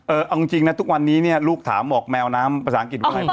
เอาจริงนะทุกวันนี้เนี่ยลูกถามบอกแมวน้ำภาษาอังกฤษว่าไง